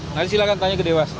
nanti silahkan tanya ke dewas